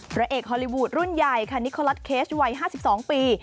พระเอกฮอลลีวูดรุ่นใหญ่ค่ะนิโคลอตเคสวัย๕๒ปี